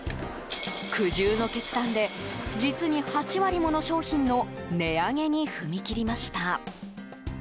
苦渋の決断で実に８割もの商品の値上げに踏み切りました。